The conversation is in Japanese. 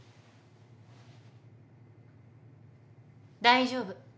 大丈夫。